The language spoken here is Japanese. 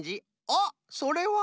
あっそれは？